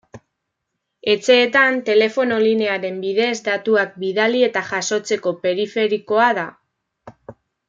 Etxeetan telefono linearen bidez datuak bidali eta jasotzeko periferikoa da.